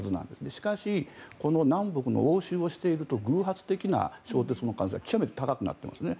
しかしこの南北の応酬をしていると偶発的な衝突も極めて高くなっていますね。